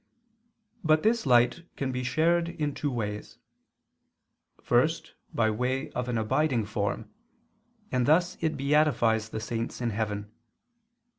But this light can be shared in two ways. First by way of an abiding form, and thus it beatifies the saints in heaven.